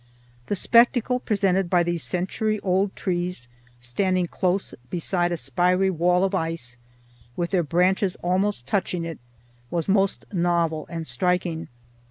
The spectacle presented by these century old trees standing close beside a spiry wall of ice, with their branches almost touching it, was most novel and striking.